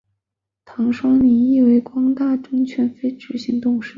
唐双宁亦为光大证券非执行董事。